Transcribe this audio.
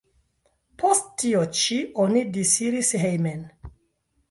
Post tio ĉi oni disiris hejmen.